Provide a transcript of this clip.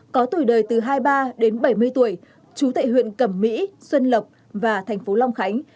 có tuổi đời từ hai mươi ba đến bảy mươi tuổi trú tại huyện cẩm mỹ xuân lộc và thành phố long khánh